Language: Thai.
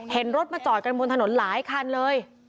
เห็นรถมาจอดกันบนถนนหลายคันเลย